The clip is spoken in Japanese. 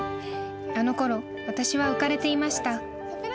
［あのころ私は浮かれていました］